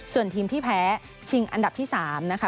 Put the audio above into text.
ส่วนทีมที่แพ้ชิงอันดับที่๓นะคะ